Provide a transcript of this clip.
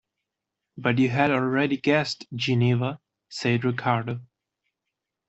"But you had already guessed 'Geneva,'" said Ricardo.